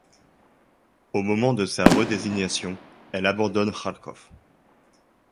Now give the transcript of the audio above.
Au moment de sa redésignation, elle abandonne Kharkov.